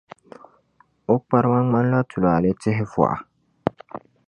O kparima ŋmanila tulaale tihi vuɣa.